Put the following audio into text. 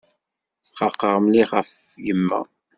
Xaqeɣ mliḥ ɣef yemma.